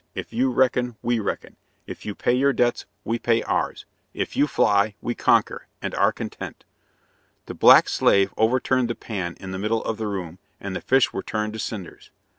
If you reckon, we reckon. If you pay your debts, we pay ours. If you fly, we conquer, and are content." The black slave overturned the pan in the middle of the room, and the fish were turned to cinders.